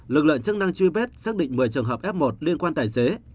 lực lượng chức năng truy vết xác định một mươi trường hợp f một liên quan tài xế